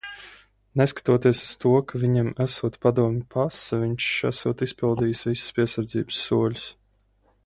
Neskatoties uz to, ka viņam esot padomju pase, viņš esot izpildījis visus piesardzības soļus.